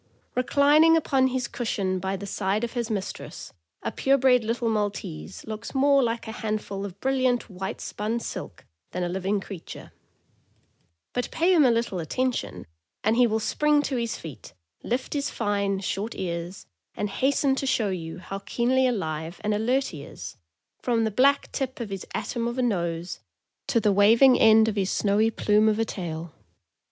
Reclining upon his cushion by the side of his mistress, a pure bred little Maltese looks more like a 32 C497) 498 THE AMERICAN BOOK OF THE DOG. handful of brilliant white spun silk than a living creature; but pay him a little attention, and he will spring to his feet, lift his fine, short ears, and hasten to show you how keenly alive and alert he is, from the black tip of his atom of a nose to the waving end of his snowy plume of a tail.